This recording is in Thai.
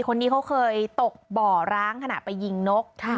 คนนี้เขาเคยตกบ่อร้างขณะไปยิงนก